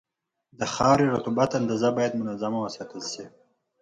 د خاورې رطوبت اندازه باید منظمه وساتل شي.